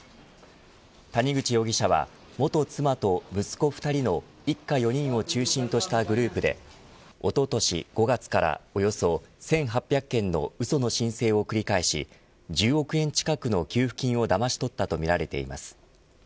谷口容疑者は元妻と息子２人の一家４人を中心としたグループでおととし５月からおよそ１８００件のうその申請を繰り返し１０億円近くの給付金をだまし取ったとみられています。